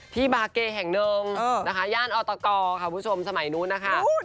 ที่บาร์เกย์แห่งเนิมย่านออตกค่ะคุณผู้ชมสมัยนู้นนะคะ